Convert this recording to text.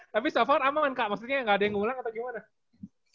tapi so far aman kak maksudnya gak ada yang ngulang atau gimana